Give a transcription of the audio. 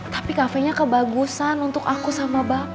tapi kafenya kebagusan untuk aku sama bapak